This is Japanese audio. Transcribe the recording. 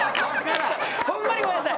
ホンマにごめんなさい！